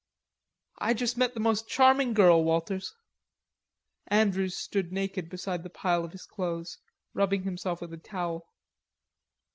"I just met the most charming girl, Walters," Andrews stood naked beside the pile of his clothes, rubbing himself with a towel.